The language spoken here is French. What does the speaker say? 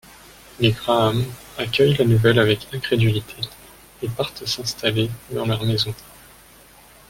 Les Graham accueille la nouvelle avec incrédulité et partent s'installer dans leur maison.